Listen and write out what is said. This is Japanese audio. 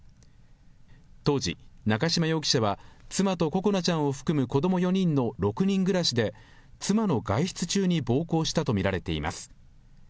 当時、中島容疑者は妻と心絆ちゃんを含む子ども４人の６人暮らしで、妻の外出中に暴行したと見られています。